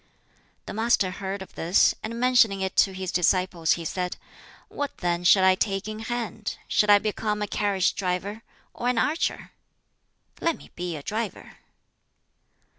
The Master heard of this, and mentioning it to his disciples he said, "What then shall I take in hand? Shall I become a carriage driver, or an archer? Let me be a driver!"